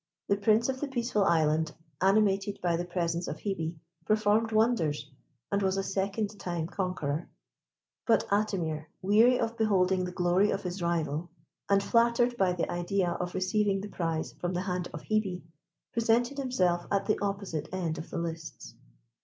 The Prince of the Peaceful Island, animated by the presence of Hebe, performed wonders, and was a second time conqueror; but Atimir, weary of beholding the glory of his rival, and flattered by the idea of receiving the prize from the hand of Hebe, presented himself at the opposite end of the lists.